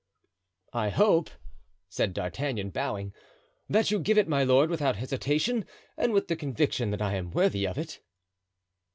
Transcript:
"I hope," said D'Artagnan, bowing, "that you give it, my lord, without hesitation and with the conviction that I am worthy of it."